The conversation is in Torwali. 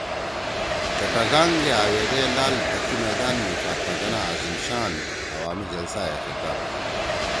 چٹاگانگ گے أویدے لال ڈکھی میدان می فاطمہ جناح عظیم شان عوامی جلسہ ئے خطاب کی